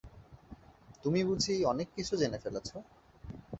তুমি বুঝি অনেক কিছু জেনে ফেলেছ?